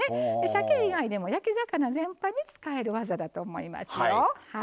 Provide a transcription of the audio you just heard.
さけ以外でも焼き魚全般に使える技だと思いますよ。